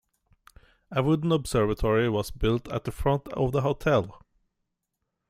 A wooden observatory was built at the front of the hotel.